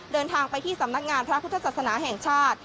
เดินทางไปที่สำนักงานพระพุทธศาสนาแห่งชาติ